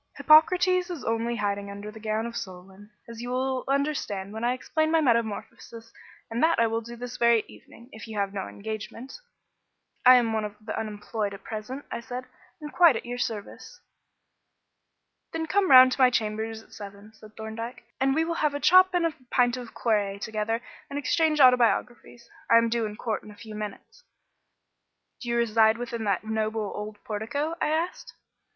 Hippocrates is only hiding under the gown of Solon, as you will understand when I explain my metamorphosis; and that I will do this very evening, if you have no engagement." "I am one of the unemployed at present," I said, "and quite at your service." "Then come round to my chambers at seven," said Thorndyke, "and we will have a chop and a pint of claret together and exchange autobiographies. I am due in court in a few minutes." "Do you reside within that noble old portico?" I asked.